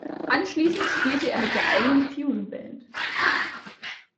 Anschließend spielte er mit der eigenen Fusion-Band.